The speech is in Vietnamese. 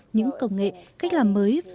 những công nghệ cách làm mới